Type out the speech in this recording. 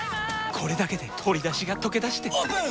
これだけで鶏だしがとけだしてオープン！